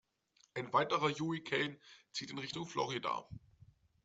Ein weiterer Hurrikan zieht in Richtung Florida.